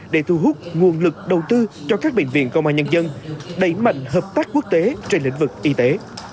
để thu hút nguồn lực đầu tư cho các bệnh viện công an nhân dân đẩy mạnh hợp tác quốc tế trên lĩnh vực y tế